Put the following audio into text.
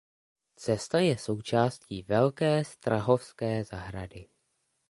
Cesta je součástí Velké strahovské zahrady.